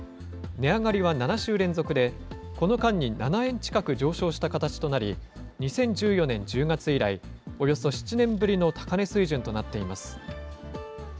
値上がりは７週連続で、この間に７円近く上昇した形となり、２０１４年１０月以来、およそ７年ぶりの高値水準となっています。